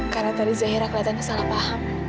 karena tadi zahira kelihatan salah paham